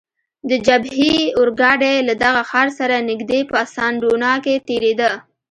د جبهې اورګاډی له دغه ښار سره نږدې په سان ډونا کې تیریده.